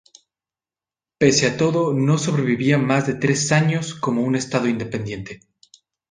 Pese a todo no sobrevivía más de tres años como un estado independiente.